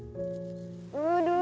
layaknya timun atau daun teh